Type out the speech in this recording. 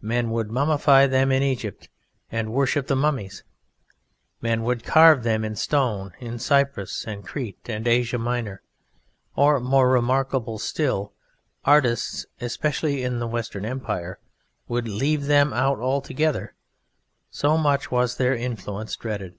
Men would mummify Them in Egypt, and worship the mummies; men would carve Them in stone in Cyprus, and Crete and Asia Minor, or (more remarkable still) artists, especially in the Western Empire, would leave Them out altogether; so much was Their influence dreaded.